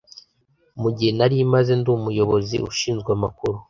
Mu gihe nari maze ndi umuyobozi ushinzwe amakuru